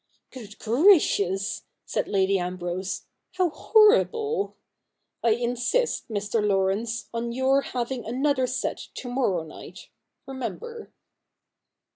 ' Good gracious !' said Lady Ambrose, ' how horrible ! I insist, Mr. Laurence, on your having another set to morrow night — remember.'